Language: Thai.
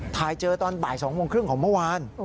เจอตอนบ่าย๒โมงครึ่งของเมื่อวาน